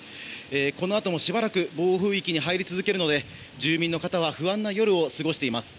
このあともしばらく暴風域に入り続けるので住民の方は不安な夜を過ごしています。